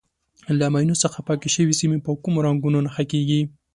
له ماینو څخه پاکې شوې سیمې په کومو رنګونو نښه کېږي.